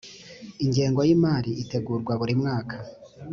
ingengo y’ imari itegurwa burimwaka.